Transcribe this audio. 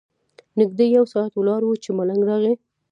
نږدې یو ساعت ولاړ وو چې ملنګ راغی.